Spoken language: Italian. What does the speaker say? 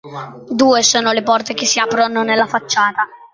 Due sono le porte che si aprono nella facciata.